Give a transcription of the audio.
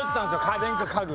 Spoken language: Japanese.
家電か家具。